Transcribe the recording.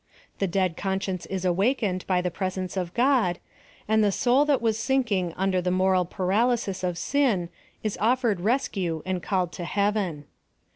The dead conscience is awakened by the presenx e of God, and the soul that was sinking under the moral paralysis of sin is offered rescue and called to heaven.